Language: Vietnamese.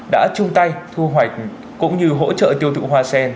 đã chung tay thu hoạch cũng như hỗ trợ tiêu thụ hoa sen